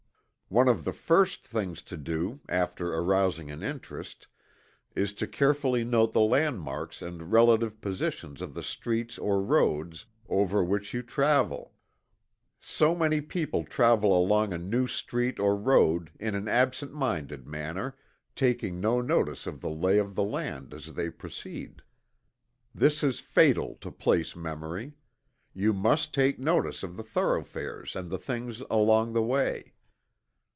One of the first things to do, after arousing an interest, is to carefully note the landmarks and relative positions of the streets or roads over which you travel. So many people travel along a new street or road in an absent minded manner, taking no notice of the lay of the land as they proceed. This is fatal to place memory. You must take notice of the thoroughfares and the things along the way.